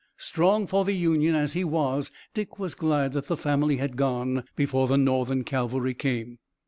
Strong for the Union as he was Dick was glad that the family had gone before the Northern cavalry came.